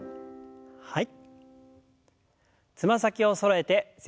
はい。